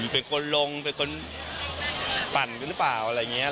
เป็นคนลงเป็นคนปั่นกันหรือเปล่าอะไรอย่างนี้